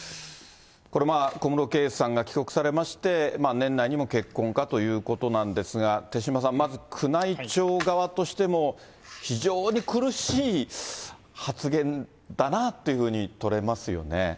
これまあ、小室圭さんが帰国されまして、年内にも結婚かということなんですが、手嶋さん、まず宮内庁側としても、非常に苦しい発言だなあというふうに取れますよね。